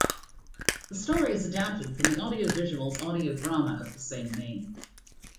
The story is adapted from the Audio Visuals audio drama of the same name.